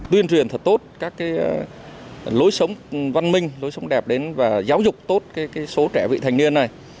tuyên truyền thật tốt các lối sống văn minh lối sống đẹp đến và giáo dục tốt số trẻ vị thành niên này